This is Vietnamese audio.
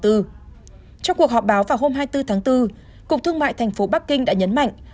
trong cuộc họp báo vào hôm hai mươi bốn tháng bốn cục thương mại thành phố bắc kinh đã nhấn mạnh